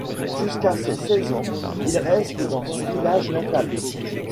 Jusqu'à ses seize ans, il reste dans son village natal.